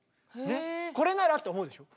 ねっこれならって思うでしょ。